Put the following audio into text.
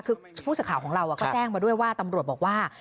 คือผู้สื่อข่าวของเราก็แจ้งมาด้วยว่าตำรวจบอกว่า